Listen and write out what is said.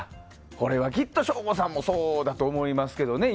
これはきっと、省吾さんもそうだと思いますけどね。